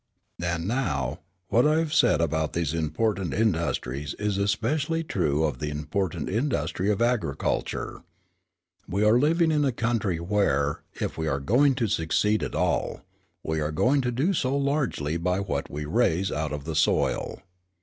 "And, now, what I have said about these important industries is especially true of the important industry of agriculture. We are living in a country where, if we are going to succeed at all, we are going to do so largely by what we raise out of the soil.